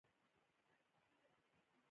د ګندهارا هنر په دې دوره کې وده وکړه.